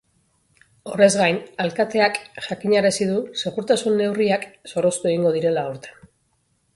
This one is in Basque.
Horrez gain, alkateak jakinarazi du segurtasun neurriak zorroztu egingo direla aurten.